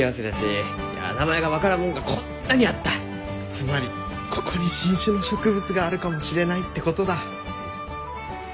つまりここに新種の植物があるかもしれないってことだ？